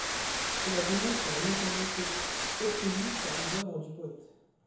Cela démontre la notoriété obtenue par les œuvres du poète.